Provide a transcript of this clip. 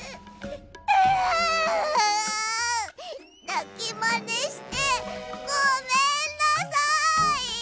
なきまねしてごめんなさい！